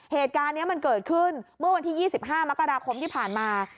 เหตุการณ์นี้มันเกิดขึ้นเมื่อวันที่๒๕มกราคมที่ผ่านมา